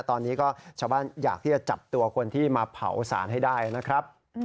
ตอนนี้ก็ชาวบ้านอยากที่จะจับตัวคนที่มาเผาสารให้ได้นะครับ